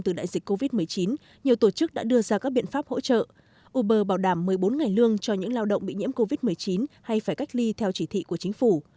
trong bối cảnh nền kinh tế nhiều tổ chức đã đưa ra các biện pháp hỗ trợ uber bảo đảm một mươi bốn ngày lương cho những lao động bị nhiễm covid một mươi chín hay phải cách ly theo chỉ thị của chính phủ